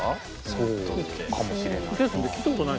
そうかもしれないな。